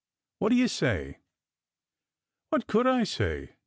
What do you say?" What could I say?